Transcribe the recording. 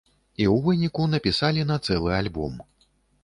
І ў выніку напісалі на цэлы альбом.